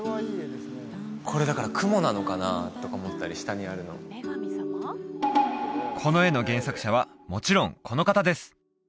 これだから雲なのかな？とか思ったり下にあるのこの絵の原作者はもちろんこの方です！